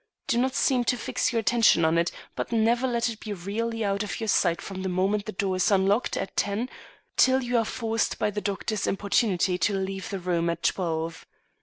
Do not seem to fix your attention on it, but never let it be really out of your sight from the moment the door is unlocked at ten till you are forced by the doctor's importunity to leave the room at twelve.